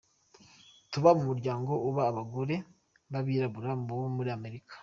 Tuba mu muryango aho abagore babirabura bo muri Amerika.